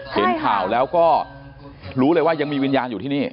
เห็นข่าวแล้วก็รู้เลยว่ายังมีวิญญาณอยู่ที่นี่